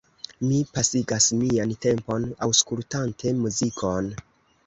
Mi pasigas mian tempon aŭskultante muzikon.